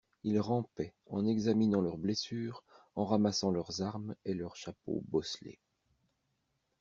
Ils rampaient en examinant leurs blessures, en ramassant leurs armes et leurs chapeaux bosselés!